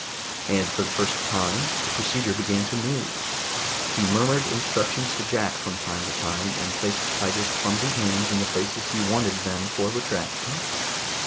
And for the first time the procedure began to move. He murmured instructions to Jack from time to time, and placed Tiger's clumsy hands in the places he wanted them for retraction.